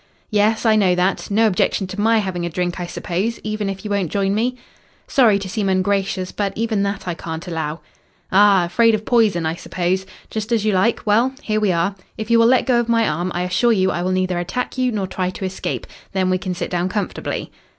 "Yes, I know that. No objection to my having a drink, I suppose, even if you won't join me?" "Sorry to seem ungracious, but even that I can't allow." "Ah. Afraid of poison, I suppose. Just as you like. Well, here we are. If you will let go my arm I assure you I will neither attack you nor try to escape. Then we can sit down comfortably."